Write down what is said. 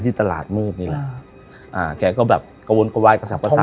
ตลาดมืดนี่แหละอ่าแกก็แบบกระวนกระวายกระสับกระสับ